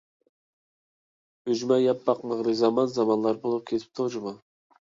ئۈجمە يەپ باقمىغىلى زامان-زامانلار بولۇپ كېتىپتۇ جۇمۇ.